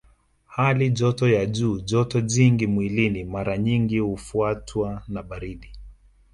Hali joto ya juu joto jingi mwilini mara nyingi hufuatwa na baridi